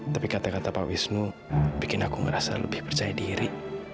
tapi kata kata pak wisnu bikin aku merasa lebih percaya diri